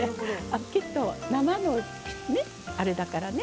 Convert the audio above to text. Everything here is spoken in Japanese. きっと生のあれだからね。